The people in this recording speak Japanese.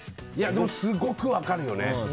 でも、すごく分かるよね。